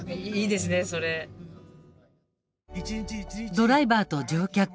ドライバーと乗客。